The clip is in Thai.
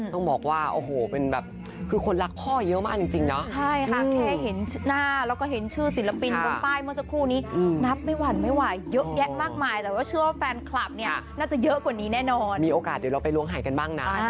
ก็บอกว่าคือคนรักพ่อมันเยอะมากจริงเนาะ